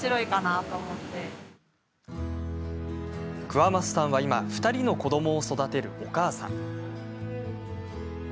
桑升さんは今２人の子どもを育てるお母さん。